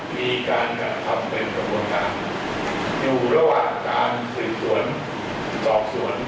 มีการกระทำเป็นกระบวนการอยู่ระหว่างการสืบสวนสอบสวน